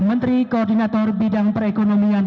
menteri koordinator bidang perekonomian